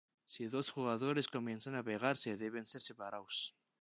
Si dos jugadores comienzan a pegarse, deben ser separados.